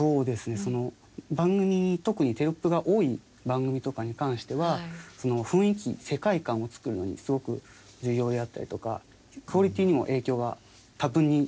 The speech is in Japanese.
その番組に特にテロップが多い番組とかに関しては雰囲気世界観を作るのにすごく重要であったりとかクオリティにも影響が多分にあるものだと思います。